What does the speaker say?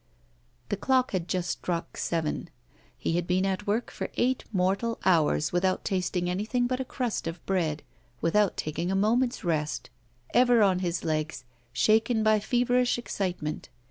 The clock had just struck seven; he had been at work for eight mortal hours without tasting anything but a crust of bread, without taking a moment's rest, ever on his legs, shaken by feverish excitement.